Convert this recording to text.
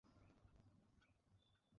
ভগবানের জন্য, আমার কথা শুনুন।